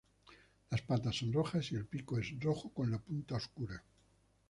Las patas son rojas y el pico es rojo con la punta oscura.